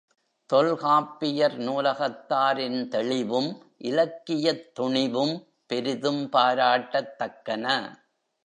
தொல்காப்பியர் நூலகத்தாரின் தெளிவும் இலக்கியத் துணிவும் பெரிதும் பாராட்டத்தக்கன.